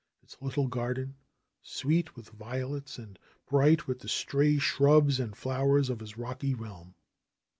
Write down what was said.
Its little garden, sweet with violets and bright with the stray shrubs and flowers of his rocky realm.